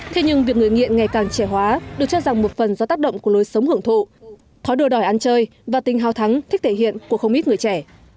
thế nhưng việc người nghiện ngày càng trẻ hóa được cho rằng một phần do tác động của lối sống hưởng thụ thói đồ đòi ăn chơi và tình hào thắng thích thể hiện của không ít người trẻ